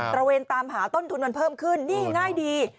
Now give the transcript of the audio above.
ระเวนตามหาต้นทุนมันเพิ่มขึ้นนี่ง่ายดี